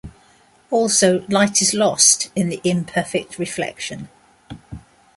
Also, light is lost in the imperfect reflection.